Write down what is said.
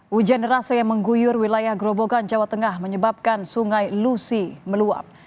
hujan deras yang mengguyur wilayah grobogan jawa tengah menyebabkan sungai lusi meluap